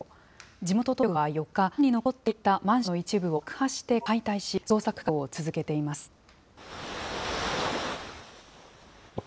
地元当局は４日、崩れずに残っていたマンションの一部を爆破して解体し、捜索活動を続けています。